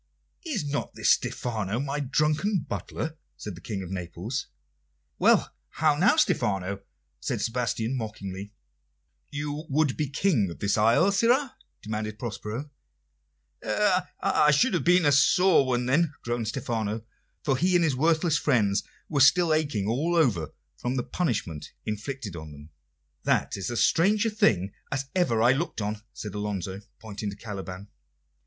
"Is not this Stephano, my drunken butler?" said the King of Naples. "Why, how now, Stephano?" said Sebastian mockingly. "You would be King of the isle, sirrah?" demanded Prospero. "I should have been a sore one, then," groaned Stephano, for he and his worthless friends were still aching all over from the punishment inflicted on them. "That is as strange a thing as ever I looked on," said Alonso, pointing to Caliban.